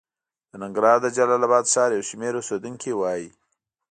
د ننګرهار د جلال اباد ښار یو شمېر اوسېدونکي وايي